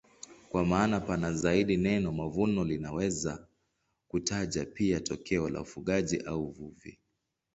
Kwa maana pana zaidi neno mavuno linaweza kutaja pia tokeo la ufugaji au uvuvi.